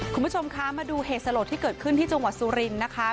คุณผู้ชมคะมาดูเหตุสลดที่เกิดขึ้นที่จังหวัดสุรินทร์นะคะ